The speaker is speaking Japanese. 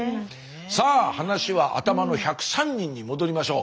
さあ話は頭の１０３人に戻りましょう。